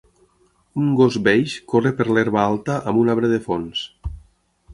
Un gos beix corre per l'herba alta amb un arbre de fons.